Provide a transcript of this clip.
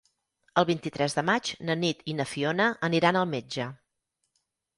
El vint-i-tres de maig na Nit i na Fiona aniran al metge.